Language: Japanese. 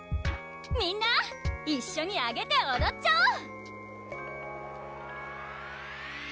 みんな一緒にアゲておどっちゃおう！